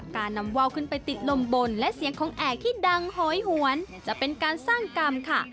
การนำว่าวขึ้นไปติดลมบนและเสียงของแอกที่ดังโหยหวนจะเป็นการสร้างกรรมค่ะ